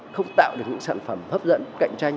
không tạo được những sản phẩm hấp dẫn cạnh tranh